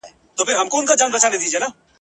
زه د هغه ښار لیدلو ته یم تږی ..